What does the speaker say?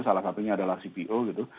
salah satunya adalah cpo gitu